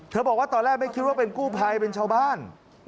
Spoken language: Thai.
บอกว่าตอนแรกไม่คิดว่าเป็นกู้ภัยเป็นชาวบ้าน